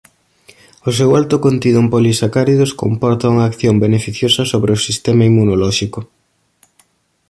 O seu alto contido en polisacáridos comporta unha acción beneficiosa sobre o sistema inmunolóxico.